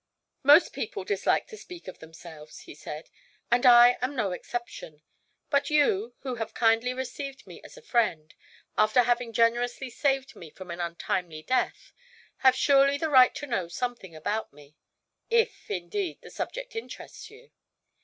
"Most people dislike to speak of themselves," he said, "and I am no exception. But you, who have kindly received me as a friend, after having generously saved me from an untimely death, have surely the right to know something about me if, indeed, the subject interests you."